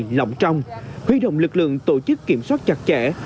ngày lộng trong huy động lực lượng tổ chức kiểm soát chặt chẽ